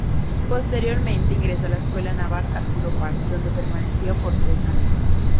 Posteriormente ingresó a la Escuela Naval Arturo Prat donde permaneció por tres años.